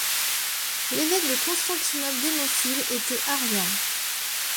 L'évêque de Constantinople Démophile était arien.